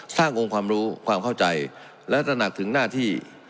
องค์ความรู้ความเข้าใจและตระหนักถึงหน้าที่